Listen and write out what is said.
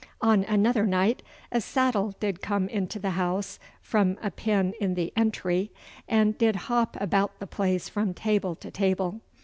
'On another night a saddle did come into the house from a pin in the entry, and did hop about the place from table to table.